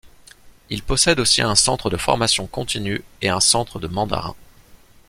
Il possède aussi un centre de formation continue et un centre de mandarin.